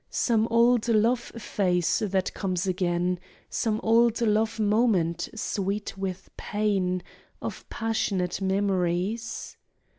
Some old love face that comes again, Some old love moment sweet with pain Of passionate memories?